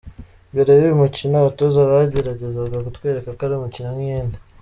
mbere y’uyu mukino abatoza bageragezaga kutwereka ko ari umukino nk’iyindi.